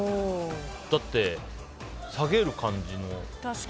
だって下げる感じの。